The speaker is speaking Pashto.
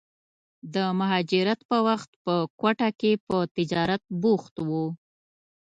د مهاجرت پر وخت په کوټه کې په تجارت بوخت و.